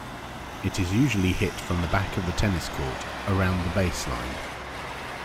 It is usually hit from the back of the tennis court, around the "baseline".